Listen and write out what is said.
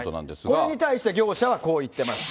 これに対して、業者はこう言ってます。